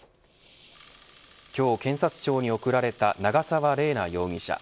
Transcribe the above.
今日、検察庁に送られた長沢麗奈容疑者。